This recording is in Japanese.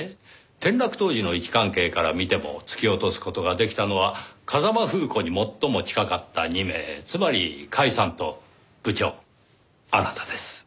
転落当時の位置関係から見ても突き落とす事が出来たのは風間楓子に最も近かった２名つまり甲斐さんと部長あなたです。